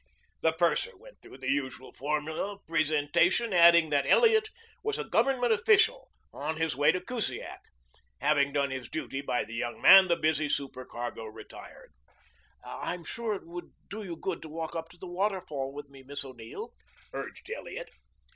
The purser went through the usual formula of presentation, adding that Elliot was a government official on his way to Kusiak. Having done his duty by the young man, the busy supercargo retired. "I'm sure it would do you good to walk up to the waterfall with me, Miss O'Neill," urged Elliot.